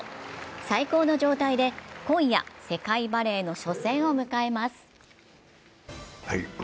最高の状態で今夜、世界バレーの初戦を迎えます。